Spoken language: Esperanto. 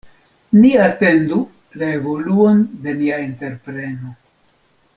Ni atendu la evoluon de nia entrepreno.